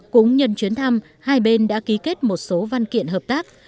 cũng nhân chuyến thăm hai bên đã ký kết một số văn kiện hợp tác